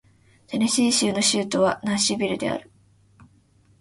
テネシー州の州都はナッシュビルである